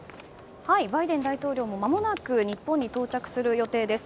バイデン大統領もまもなく日本に到着する予定です。